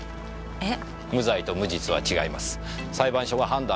えっ？